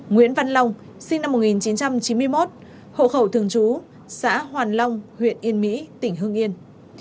nguyễn văn long sinh năm một nghìn chín trăm chín mươi một hộ khẩu thương chú xã hoàn long huyện yên mỹ tỉnh hưng yên